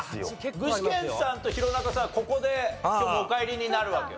具志堅さんと弘中さんはここで今日もうお帰りになるわけよ。